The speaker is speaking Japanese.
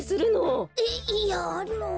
えっいやあの。